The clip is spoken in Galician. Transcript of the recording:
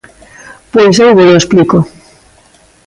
Pois eu volo explico.